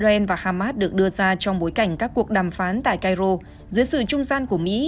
israel và hamas được đưa ra trong bối cảnh các cuộc đàm phán tại cairo dưới sự trung gian của mỹ